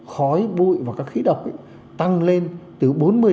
khói bụi và các khí độc tăng lên từ bốn mươi năm mươi